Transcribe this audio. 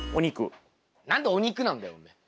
何でお肉なんだよおめえ。